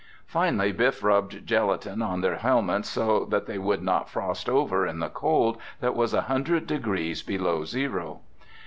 Finally Biff rubbed gelatin on their helmets so that they would not frost over in the cold that was a hundred degrees below zero.